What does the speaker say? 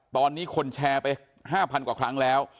ตอนนี้คนแชร์ไป๕๐๐กว่าครั้งแล้ว